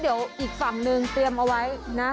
เดี๋ยวอีกฝั่งนึงเตรียมเอาไว้นะ